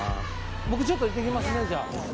僕ちょっと行ってきますねじゃあ。